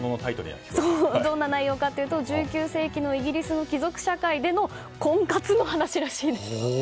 どんな内容かというと１９世紀のイギリスの貴族社会での婚活の話らしいです。